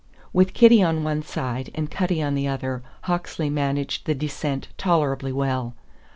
With Kitty on one side and Cutty on the other Hawksley managed the descent tolerably well.